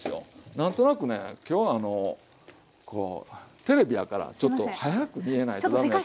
何となくね今日はあのこうテレビやからちょっと早く煮えないと駄目やと思って。